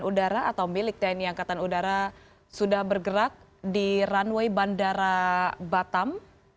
pesawat hercules c satu ratus tiga puluh milik tni angkatan udara sudah bergerak di runway bandara batam